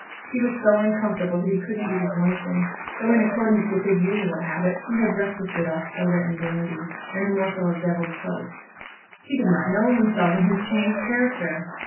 He was so uncomfortable that he couldn't eat his luncheon, though in accordance with his usual habit he had breakfasted off soda and brandy and a morsel of devilled toast. He did not know himself in his changed character.